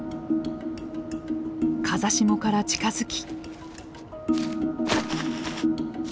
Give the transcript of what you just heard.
風下から近づき。